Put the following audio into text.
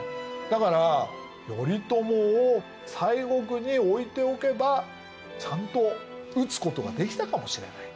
だから頼朝を西国に置いておけばちゃんと討つことができたかもしれない。